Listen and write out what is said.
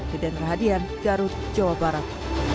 bedenka hadian garut jawa barat